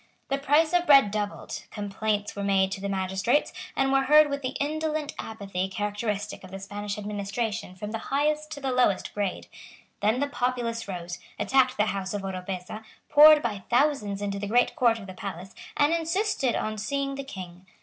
The price of bread doubled. Complaints were made to the magistrates, and were heard with the indolent apathy characteristic of the Spanish administration from the highest to the lowest grade. Then the populace rose, attacked the house of Oropesa, poured by thousands into the great court of the palace, and insisted on seeing the King.